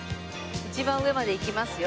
一番上まで行きますよ。